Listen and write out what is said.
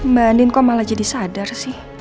mbak nin kok malah jadi sadar sih